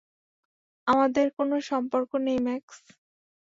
আমাদের কোনও সম্পর্ক নেই, ম্যাক্স।